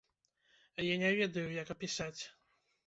Я не ведаю, як апісаць.